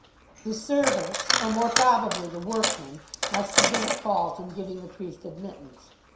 The servants, or more probably the workmen, must have been at fault in giving the priest admittance.